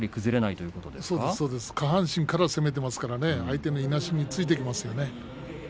そうですね、下半身から攻めているから相手のいなしにもついていきますよね。